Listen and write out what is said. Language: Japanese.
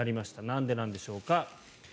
なんでなんでしょうか。